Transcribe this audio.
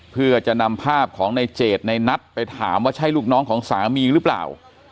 เพื่อจะนำภาพของในเจดในนัทไปถามว่าใช่ลูกน้องของสามีหรือเปล่า